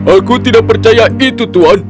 aku tidak percaya itu tuhan